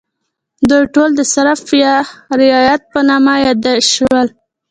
دوی ټول د سرف یا رعیت په نامه یاد شول.